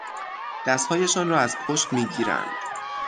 دستهایشان را از پشت میگیرند